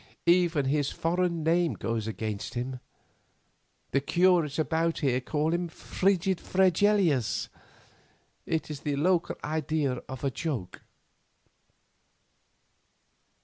Even his foreign name goes against him. The curates about here call him 'Frigid Fregelius.' It is the local idea of a joke.